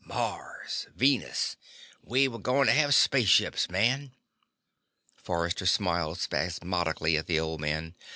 Mars. Venus. We were going to have spaceships, man." Forrester smiled spasmically at the old man.